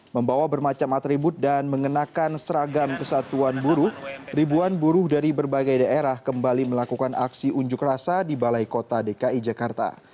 membawa bermacam atribut dan mengenakan seragam kesatuan buruh ribuan buruh dari berbagai daerah kembali melakukan aksi unjuk rasa di balai kota dki jakarta